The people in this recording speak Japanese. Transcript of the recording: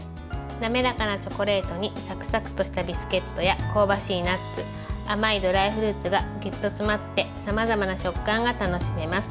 滑らかなチョコレートにサクサクとしたビスケットや香ばしいナッツ甘いドライフルーツがぎゅっと詰まってさまざまな食感が楽しめます。